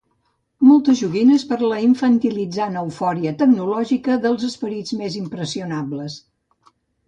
Moltes joguines per a la infantilitzant eufòria tecnològica dels esperits més impressionables.